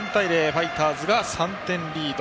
ファイターズが３点リード。